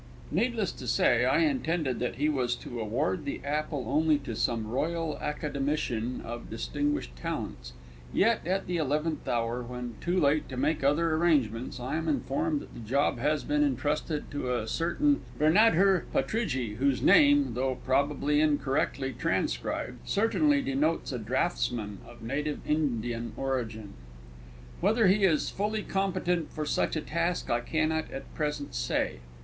Needless to say, I intended that he was to award the apple only to some Royal Academician of distinguished talents yet at the eleventh hour, when too late to make other arrangements, I am informed that the job has been entrusted to a certain Birnadhur Pahtridhji, whose name (though probably incorrectly transcribed) certainly denotes a draughtsman of native Indian origin! Whether he is fully competent for such a task I cannot at present say.